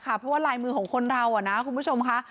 เพราะว่าลายมือของคนเรานะคุณผู้ชมค่ะ